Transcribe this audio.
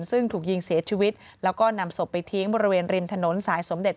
ซึ่งถูกยิงเสียชีวิตแล้วก็นำศพไปทิ้งบริเวณริมถนนสายสมเด็จ